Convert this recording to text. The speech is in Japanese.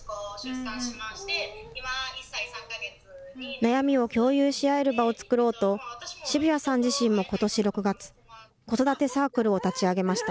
悩みを共有し合える場を作ろうと、澁谷さん自身もことし６月、子育てサークルを立ち上げました。